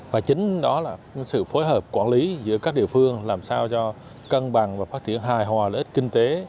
và chính đó là sự phối hợp quản lý giữa các địa phương làm sao cho cân bằng và phát triển hài hòa lợi ích kinh tế